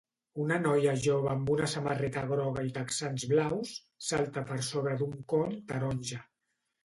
Una noia jove amb una samarreta groga i texans blaus salta per sobre d'un con taronja.